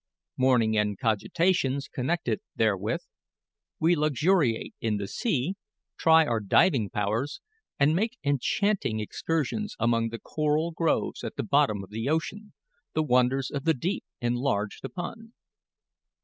MORNING, AND COGITATIONS CONNECTED THEREWITH WE LUXURIATE IN THE SEA, TRY OUR DIVING POWERS, AND MAKE ENCHANTING EXCURSIONS AMONG THE CORAL GROVES AT THE BOTTOM OF THE OCEAN THE WONDERS OF THE DEEP ENLARGED UPON.